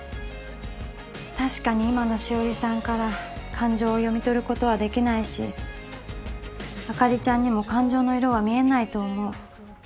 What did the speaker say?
確かに今の紫織さんから感情を読み取ることはできないし朱梨ちゃんにも感情の色は見えないと思う。